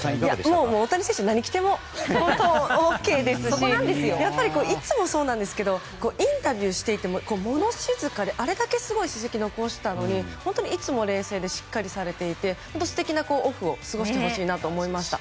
大谷選手は何着てもＯＫですしやっぱりいつもそうなんですけどインタビューしていても物静かで、あれだけすごい成績残したのにいつも冷静でしっかりされていて素敵なオフを過ごしてほしいなと思いました。